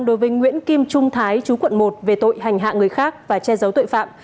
đối với nguyễn kim trung thái chú quận một về tội hành hạ người khác và che giấu tội phạm